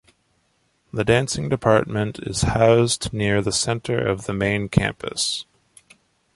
The dancing department is housed near the center of the main campus.